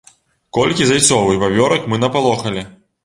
Колькі зайцоў і вавёрак мы напалохалі!